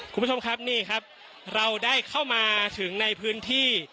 คุณผู้ชมครับนี่ครับเราได้เข้ามาถึงในพื้นที่